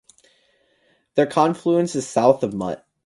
Their confluence is south of Mut.